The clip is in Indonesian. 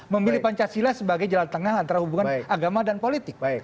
memilih pancasila sebagai jalan tengah antara hubungan agama dan politik